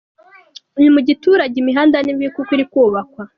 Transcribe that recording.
Ni mu giturage, imihanda ni mibi kuko iri kubakwa.